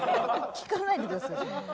聞かないでください。